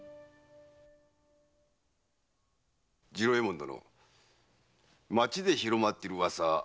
次郎右衛門殿町で広まっている噂